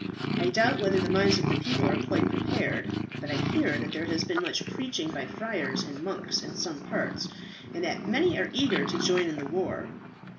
I doubt whether the minds of the people are quite prepared, but I hear that there has been much preaching by friars and monks in some parts, and that many are eager to join in the war."